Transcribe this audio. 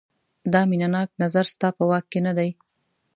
دا مینه ناک نظر ستا په واک کې نه دی.